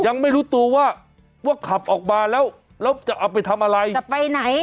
ยังไม่รู้ตัวว่าว่าขับออกมาแล้วแล้วจะเอาไปทำอะไรจะไปไหน